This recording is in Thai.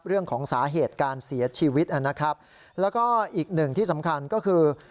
เรื่องของสาเหตุการเสียชีวิตนะครับแล้วก็อีกหนึ่งที่สำคัญก็คือ